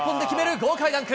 豪快ダンク。